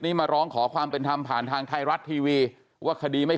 มาร้องขอความเป็นธรรมผ่านทางไทยรัฐทีวีว่าคดีไม่